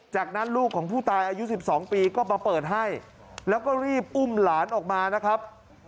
จากนั้นลูกของผู้ตายอายุ๑๒ปีก็มาเปิดให้แล้วก็รีบอุ้มหลานออกมานะครับ